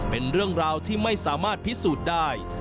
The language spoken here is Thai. เป็นเรื่องราวที่ไม่สามารถพิสูจน์ได้